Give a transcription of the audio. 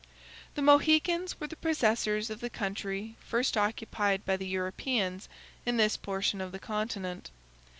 The Mohicans were the possessors of the country first occupied by the Europeans in this portion of the continent.